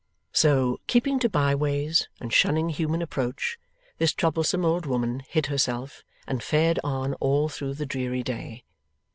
So, keeping to byways, and shunning human approach, this troublesome old woman hid herself, and fared on all through the dreary day.